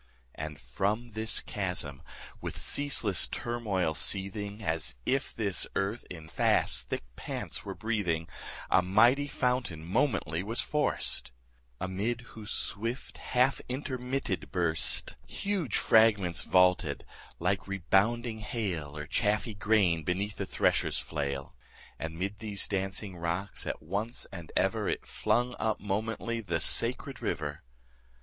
And from this chasm, with ceaseless turmoil seething, As if this earth in fast thick pants were breathing, A mighty fountain momently was forced; Amid whose swift half intermitted burst 20 Huge fragments vaulted like rebounding hail, Or chaffy grain beneath the thresher's flail: And 'mid these dancing rocks at once and ever It flung up momently the sacred river.